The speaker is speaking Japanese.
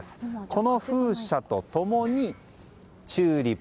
この風車と共にチューリップ。